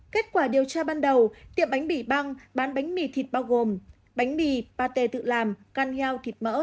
kết quả điều tra ban đầu tiệm bánh mì băng bán bánh mì thịt bao gồm bánh mì pate tự làm canel thịt mỡ